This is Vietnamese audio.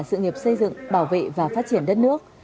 sự nghiệp xây dựng bảo vệ và phát triển đất nước